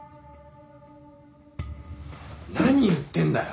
何言ってんだよ？